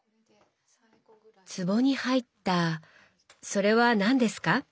つぼに入ったそれは何ですか？